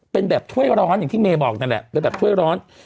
เป็นแบบถ้วยร้อนอย่างที่เมย์บอกนั่นแหละเป็นแบบถ้วยร้อน